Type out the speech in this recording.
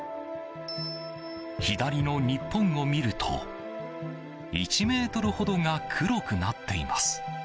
左の日本を見ると１ｍほどが黒くなっています。